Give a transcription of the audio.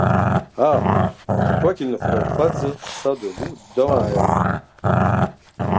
Ah! je crois qu’il ne faudrait pas dire ça de vous devant elle !